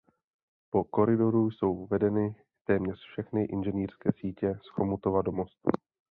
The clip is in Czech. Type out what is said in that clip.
Po koridoru jsou vedeny téměř všechny inženýrské sítě z Chomutova do Mostu.